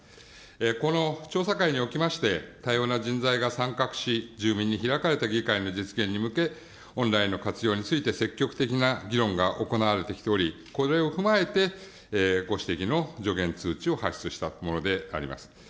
この調査会におきまして、多様な人材が参画し、住民に開かれた議会の実現に向け、オンラインの活用について、積極的な議論が行われてきており、これを踏まえて、ご指摘の助言、通知を発出したものであります。